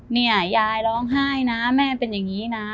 เนี่ยยายร้องไห้นะแม่เป็นอย่างนี้นะ